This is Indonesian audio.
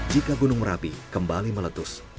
jika gunung merapi kembali kembali ke dunia